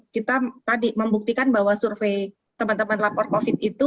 kita tadi membuktikan bahwa survei teman teman lapor covid itu